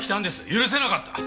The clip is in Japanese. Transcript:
許せなかった。